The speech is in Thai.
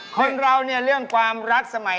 มันนี่มานั่งคุย